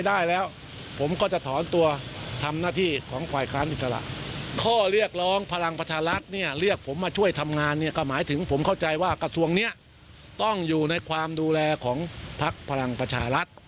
อารมณ์พลังประชารัฐเนี่ยเรียกผมมาช่วยทำงานเนี่ยก็หมายถึงผมเข้าใจว่ากระทรวงเนี่ยต้องอยู่ในความดูแลของภาคพลังประชารัฐ